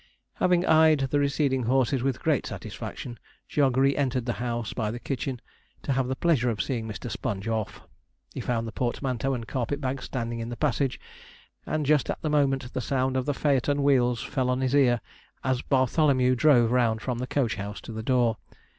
Having eyed the receding horses with great satisfaction, Jog re entered the house by the kitchens, to have the pleasure of seeing Mr. Sponge off. He found the portmanteau and carpet bag standing in the passage, and just at the moment the sound of the phaeton wheels fell on his ear, as Bartholomew drove round from the coach house to the door.